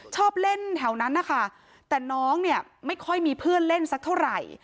ชอบเล่นแถวนั้นนะคะแต่น้องเนี่ยไม่ค่อยมีเพื่อนเล่นสักเท่าไหร่